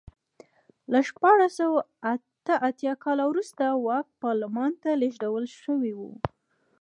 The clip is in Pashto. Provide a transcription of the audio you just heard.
له شپاړس سوه اته اتیا کال وروسته واک پارلمان ته لېږدول شوی و.